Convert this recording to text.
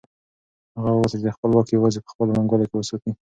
هغه غوښتل چې خپل واک یوازې په خپلو منګولو کې وساتي.